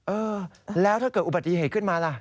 เออแล้วถ้าเกิดอุบัติเหตุขึ้นมาล่ะ